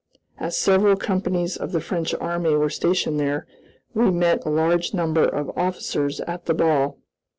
As several companies of the French army were stationed there, we met a large number of officers at the ball.